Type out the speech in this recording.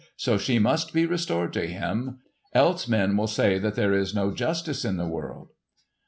So she must be restored to him, else men will say that there is no justice in the world."